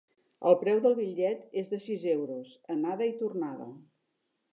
El preu del bitllet és de sis euros, anada i tornada.